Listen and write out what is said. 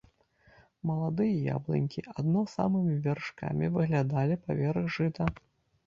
Маладыя яблынькі адно самымі вяршкамі выглядалі паверх жыта.